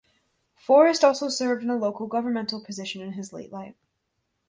Forrest also served in a local governmental position in his late life.